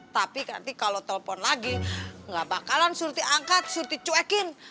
tapi nanti kalo telfon lagi gak bakalan surut gue angkat surut gue cuekin